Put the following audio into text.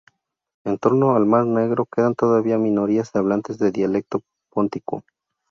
En torno al mar Negro quedan todavía minorías de hablantes del dialecto póntico.